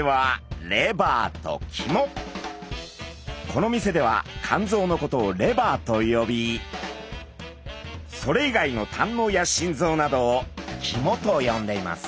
この店では肝臓のことをレバーと呼びそれ以外の胆のうや心臓などを肝と呼んでいます。